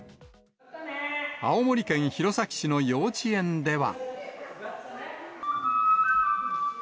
青森県弘前市の幼稚園では。